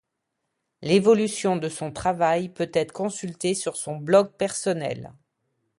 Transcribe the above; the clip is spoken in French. L'évolution de son travail peut être consulté sur son blog personnel.